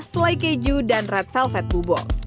selai keju dan red velvet bubol